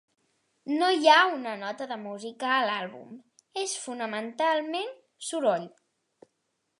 No hi ha una nota de música a l'àlbum; és, fonamentalment, soroll.